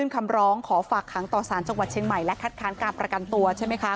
คำร้องขอฝากขังต่อสารจังหวัดเชียงใหม่และคัดค้านการประกันตัวใช่ไหมคะ